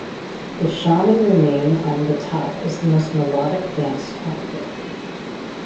The Shamen remain on the top as the most melodic dance outfit.